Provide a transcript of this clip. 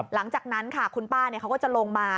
หลังจากนั้นค่ะคุณป้าเขาก็จะลงมา